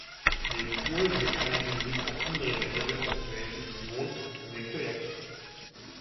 Neben Polen beteiligen sich auch andere Länder der Europäischen Union an dem Projekt.